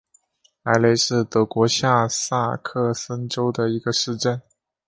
莱雷是德国下萨克森州的一个市镇。